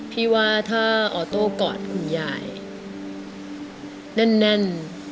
พี่ว่าถ้าออโต้กอดคุณยายแน่น